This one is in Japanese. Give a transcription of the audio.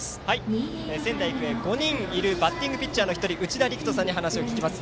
仙台育英、５人いるバッティングピッチャーの１人うちだりきと選手に話を聞きます。